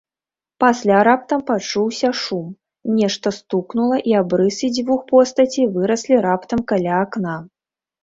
Пасля раптам пачуўся шум, нешта стукнула, і абрысы дзвюх постацей выраслі раптам каля акна.